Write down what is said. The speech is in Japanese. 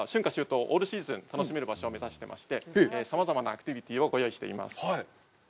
冬、オールシーズン楽しめる場所を目指していまして、さまざまなアクティビティをご用意しています。